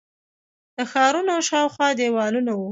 د ښارونو شاوخوا دیوالونه وو